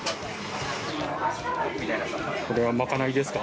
これは賄いですか？